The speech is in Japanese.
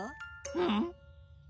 うん！